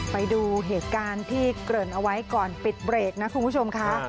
ไปดูเหตุการณ์ที่เกริ่นเอาไว้ก่อนปิดเบรกนะคุณผู้ชมค่ะ